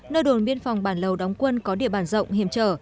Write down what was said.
nơi đồn biên phòng bản lầu đóng quân có địa bàn rộng hiểm trở